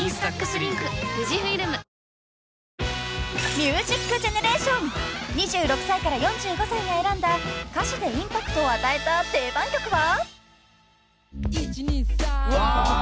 ［『ミュージックジェネレーション』２６歳から４５歳が選んだ歌詞でインパクトを与えた定番曲は？］